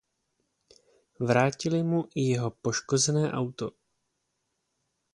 Vrátili mu i jeho poškozené auto.